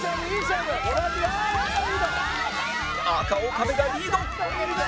赤岡部がリード